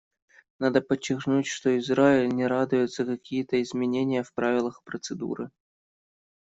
Надо подчеркнуть, что Израиль не ратует за какие-то изменения в правилах процедуры.